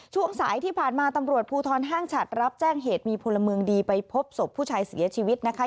ช่วงสายที่ผ่านมาตำรวจภูทรห้างฉัดรับแจ้งเหตุมีพลเมืองดีไปพบศพผู้ชายเสียชีวิตนะคะ